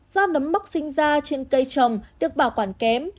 do nấm mốc sinh ra trên cây trồng được bảo quản kém